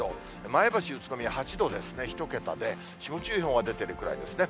前橋、宇都宮８度ですね、１桁で、霜注意報が出てるくらいですね。